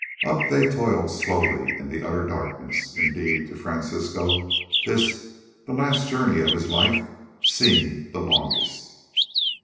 Up they toiled slowly in the utter darkness; indeed, to Francisco this, the last journey of his life, seemed the longest.